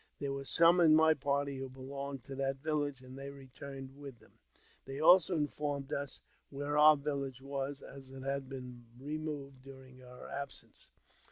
There were some in my party who belonged to that village, and they returned with them. They also informed us where our village was, as it had been removed during our absence.